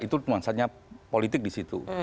itu nuansanya politik di situ